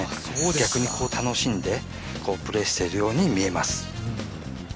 逆に楽しんでプレーしているように見えます。